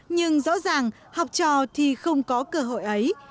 nhưng rõ ràng học trò thì không có cơ hội ấy